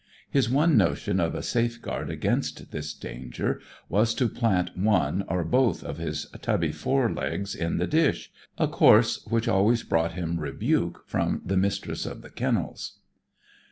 His one notion of a safeguard against this danger was to plant one, or both, of his tubby fore legs in the dish, a course which always brought him rebuke from the Mistress of the Kennels.